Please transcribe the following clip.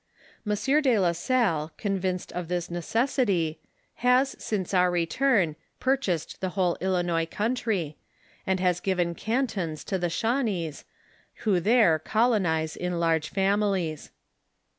M. de la Salle convinced of this necessity, has since our return, purchased the whole Ilinois country,* and has given cantons to the Shaw nees, who there colonize in large families.